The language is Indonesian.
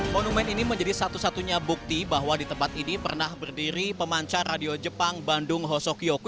monumen ini menjadi satu satunya bukti bahwa di tempat ini pernah berdiri pemancar radio jepang bandung hosokyoku